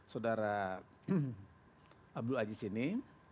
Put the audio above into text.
saudara abdul aziz ini